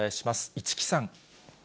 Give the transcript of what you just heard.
市來さん。